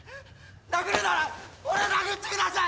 殴るなら俺を殴ってください！